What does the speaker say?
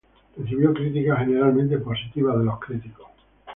Recibió críticas "generalmente positivas" de los críticos.